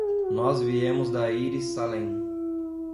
Nós viemos da íris Salem.